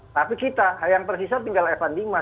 tapi kita yang tersisa tinggal evan dimas